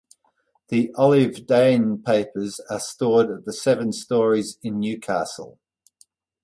The Olive Dehn Papers are stored at the Seven Stories in Newcastle.